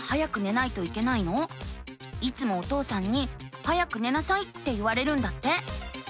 いつもお父さんに「早く寝なさい」って言われるんだって。